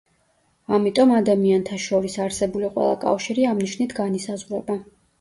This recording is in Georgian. ამიტომ ადამიანთა შორის არსებული ყველა კავშირი ამ ნიშნით განისაზღვრება.